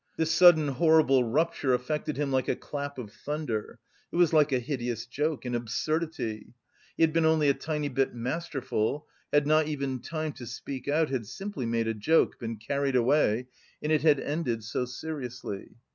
This sudden horrible rupture affected him like a clap of thunder; it was like a hideous joke, an absurdity. He had only been a tiny bit masterful, had not even time to speak out, had simply made a joke, been carried away and it had ended so seriously.